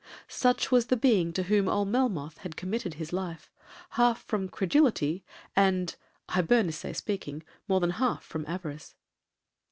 Such was the being to whom old Melmoth had committed his life, half from credulity, and (Hibernicè speaking) more than half from avarice.